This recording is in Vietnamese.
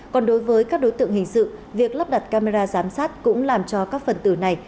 còn đối với các đối tượng hình sự việc lắp đặt camera giám sát cũng làm cho các phần tử này